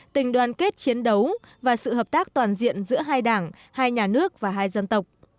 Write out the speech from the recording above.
tình đoàn kết chiến đấu và sự hợp tác toàn diện giữa hai đảng hai nhà nước và hai dân tộc